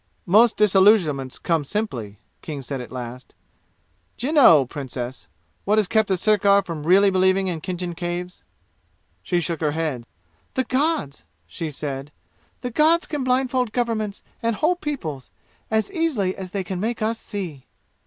"Most disillusionments come simply," King said at last. "D'you know, Princess, what has kept the sirkar from really believing in Khinjan Caves?" She shook her head. "The gods!" she said. "The gods can blindfold governments and whole peoples as easily as they can make us see!"